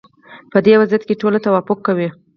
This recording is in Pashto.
په دې وضعیت کې ټول توافق کوي.